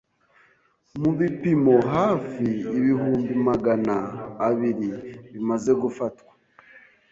mu bipimo hafi ibihumbi Magana abiri bimaze gufatwa,